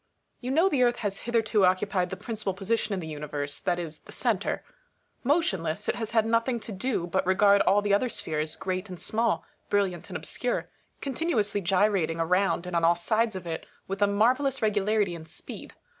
You know the Earth has hitherto occupied the prin cipal position in the Universe, that is the centre. Motion less, it has had nothing to do but regard all the other spheres, great and small, brilliant and obscure, continu ously gyrating around and on all sides of it with a mar vellous regularity and speed.